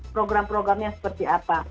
program programnya seperti apa